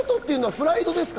フライドですか？